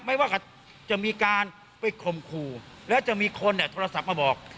ไม่ว่าจะมีการไปคมครูและจะมีคนแบบโทรศัพท์มาบอก